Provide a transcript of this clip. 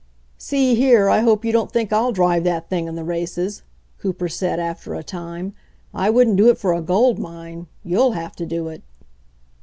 "See here, I hope you don't think I'll drive that thing in the races," Cooper said after a time. "I wouldn't do it for a gold mine. You'll have to do it."